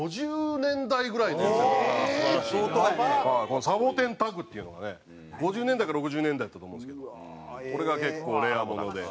このサボテンタグっていうのがね５０年代か６０年代やったと思うんですけどこれが結構レアもので。